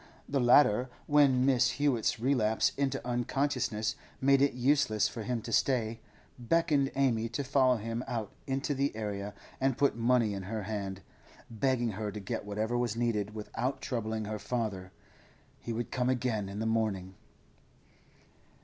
The latter, when Mrs. Hewett's relapse into unconsciousness made it useless for him to stay, beckoned Amy to follow him out into the area and put money in her hand, begging her to get whatever was needed without troubling her father. He would come again in the morning.